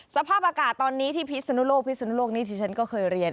สภาพอากาศตอนนี้ที่พิศนุโลกพิศนุโลกนี้ที่ฉันก็เคยเรียน